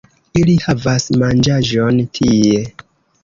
Ili havas manĝaĵon tie